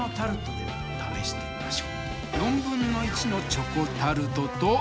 チョコタルトと。